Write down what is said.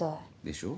でしょ？